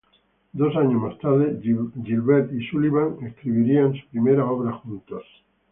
Dos años más tarde, Gilbert y Sullivan escribirían su primera obra juntos.